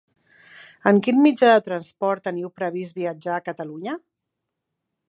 En quin mitjà de transport teniu previst viatjar a Catalunya?